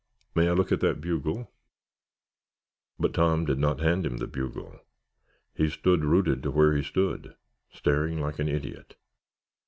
May I look at that bugle?" But Tom did not hand him the bugle. He stood rooted to where he stood, staring like an idiot.